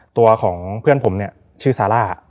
ตัวของเพื่อนผมชื่อซาร่า